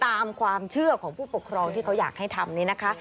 ตามความเชื่อของผู้ปกครองที่เขาอยากให้ทำนี้นะคะ